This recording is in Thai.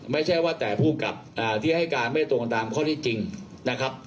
ไม่ใช่ว่าแต่ผู้กลับที่ให้การไม่ตรงตามข้อที่จริงนะครับ